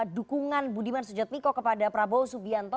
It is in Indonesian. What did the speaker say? dukungan budiman sujatmiko kepada prabowo subianto